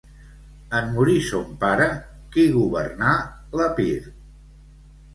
En morir son pare, qui governà l'Epir?